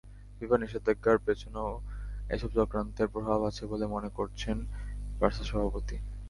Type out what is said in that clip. ফিফার নিষেধাজ্ঞার পেছনেও এসব চক্রান্তের প্রভাব আছে বলে মনে করছেন বার্সা সভাপতি।